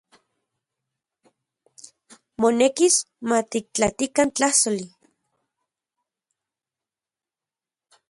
Monekis matiktlatikan tlajsoli.